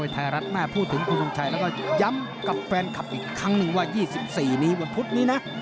ไทยรัฐแม่พูดถึงคุณทงชัยแล้วก็ย้ำกับแฟนคลับอีกครั้งหนึ่งว่า๒๔นี้วันพุธนี้นะ